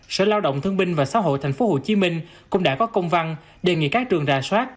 sở lao động thương binh và xã hội thành phố hồ chí minh cũng đã có công văn đề nghị các trường ra soát